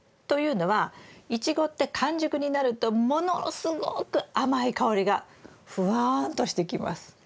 というのはイチゴって完熟になるとものすごく甘い香りがふわんとしてきます。